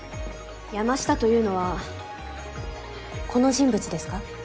山下というのはこの人物ですか？